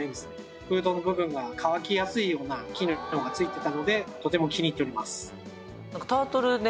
フードの部分が乾きやすいような機能がついていたのでとても気に入っております。